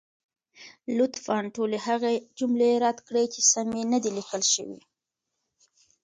لطفا ټولې هغه جملې رد کړئ، چې سمې نه دي لیکل شوې.